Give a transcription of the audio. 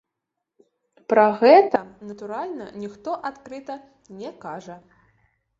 Пра гэта, натуральна, ніхто адкрыта не кажа.